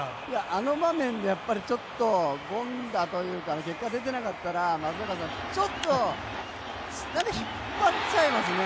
あの場面で凡打というか結果が出てなかったら松坂さんちょっと引っ張っちゃいますね。